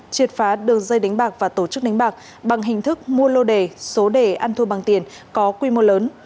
triệt phá đường dây đánh bạc và tổ chức đánh bạc bằng hình thức mua lô đề số đề ăn thua bằng tiền có quy mô lớn